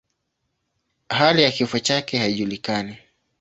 Hali ya kifo chake haijulikani.